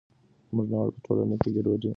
موږ نه غواړو چې په ټولنه کې ګډوډي وي.